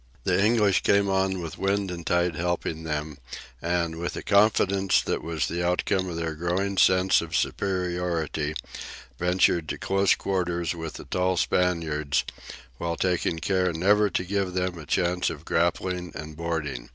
The English came on with wind and tide helping them and, with the confidence that was the outcome of their growing sense of superiority, ventured to close quarters with the tall Spaniards, while taking care never to give them the chance of grappling and boarding.